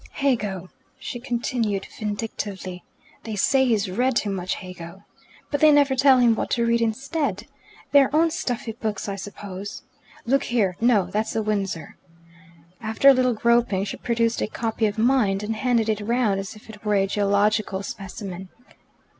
"Hegel," she continued vindictively. "They say he's read too much Hegel. But they never tell him what to read instead. Their own stuffy books, I suppose. Look here no, that's the 'Windsor.'" After a little groping she produced a copy of "Mind," and handed it round as if it was a geological specimen.